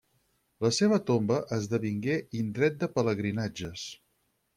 La seva tomba esdevingué indret de pelegrinatges.